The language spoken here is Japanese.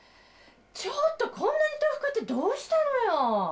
ちょっとこんなに豆腐買ってどうしたのよ？